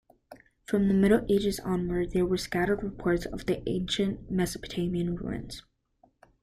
From the Middle Ages onward, there were scattered reports of ancient Mesopotamian ruins.